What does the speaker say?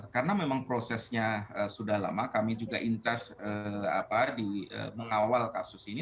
karena memang prosesnya sudah lama kami juga incas mengawal kasus ini